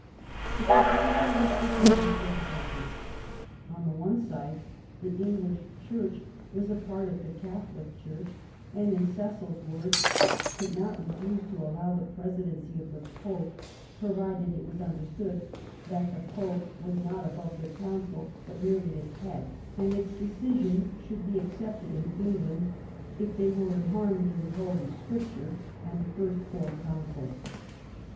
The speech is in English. The proposal was beset with diffi culties. On the one side, the English Church was a part of the Catholic Church ; and, in Cecil's words, *' could not refuse to allow the presidency of the Pope, provided it was understood that the Pope was not PROBLEMS OF THE REIGN, 71 above the Council, but merely its head; and its decision should be accepted in England if they were in harmony with Holy Scripture and the first four Councils